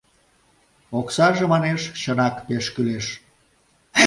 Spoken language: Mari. «Оксаже, манеш, чынак пеш кӱлеш».